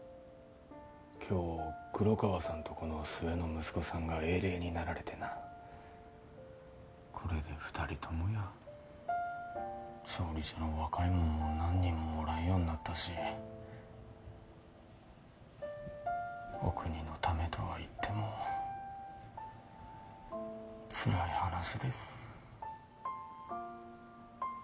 今日黒川さんとこの末の息子さんが英霊になられてなこれで二人ともや調理所の若いもんも何人もおらんようになったしお国のためとは言ってもつらい話です